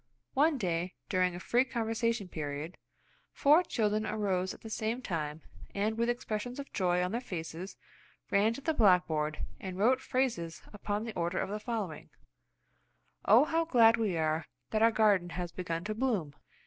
One day, during a free conversation period, four children arose at the same time and with expressions of joy on their faces ran to the blackboard and wrote phrases upon the order of the following: "Oh, how glad we are that our garden has begun to bloom."